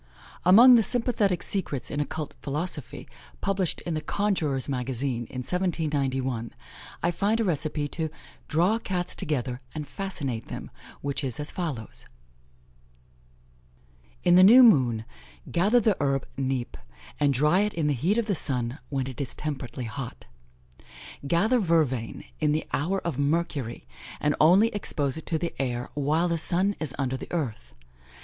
Among the sympathetic secrets in occult philosophy, published in the Conjurors' Magazine, in 1791, I find a recipe "to draw Cats together, and fascinate them," which is as follows: "In the new moon, gather the herb Nepe, and dry it in the heat of the sun, when it is temperately hot: gather vervain in the hour ☿, and only expose it to the air while ☉ is under the earth.